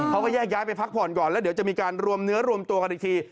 เขาก็แยกย้ายไปพักผ่อนก่อนแล้วเดี๋ยวจะมีการรวมเนื้อรวมตัวกันอีกที